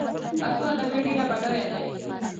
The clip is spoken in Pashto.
پښتو ادبيات ډېر بډايه دي.